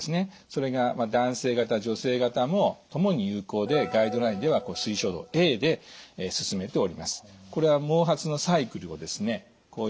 それが男性型女性型も共に有効でガイドラインでは推奨度Ａで勧めております。